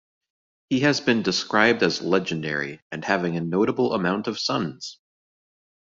He has been described as legendary, and having a notable amount of sons.